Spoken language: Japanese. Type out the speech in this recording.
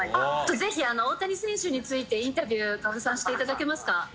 ぜひ、大谷選手についてインタビューしていただけますか？